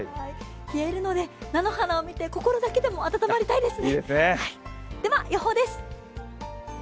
冷えるので、菜の花を見て心だけでも温まりたいですね。